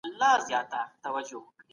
هغه نن بيا د واويلا خاوند دی